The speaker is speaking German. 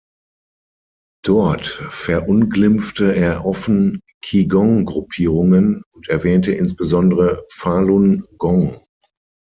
Dort verunglimpfte er offen Qigong-Gruppierungen und erwähnte insbesondere Falun Gong.